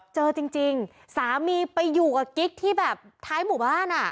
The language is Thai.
เจอจริงสามีไปอยู่กับกิ๊กที่แบบท้ายหมู่บ้านอ่ะ